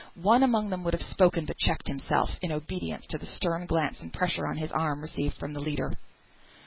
One among them would have spoken, but checked himself in obedience to the stern glance and pressure on his arm, received from the leader.